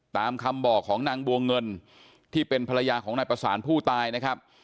ตามคำบอกของนางบัวเงินที่เป็นภรรยาของนายประสานผู้ตายนะครับ